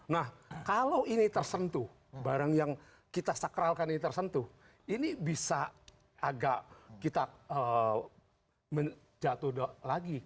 nah kalau ini tersentuh barang yang kita sakralkan ini tersentuh ini bisa agak kita jatuh lagi